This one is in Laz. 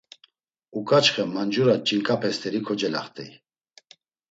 Uǩaçxe mancura ç̌inǩape st̆eri kocelaxt̆ey.